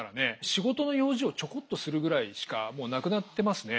仕事の用事をちょこっとするぐらいしかもうなくなってますね。